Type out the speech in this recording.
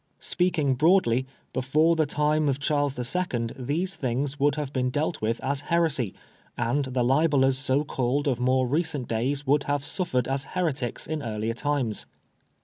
Speaking broadly, before the time of Charles II. these things would have been dealt with as heresy ; and the libellers so called of more recent days would have suffered as heretics in earlier times."